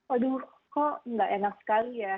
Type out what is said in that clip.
aduh kok nggak enak sekali ya